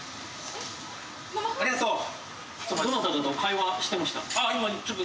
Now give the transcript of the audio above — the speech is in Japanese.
ありがとう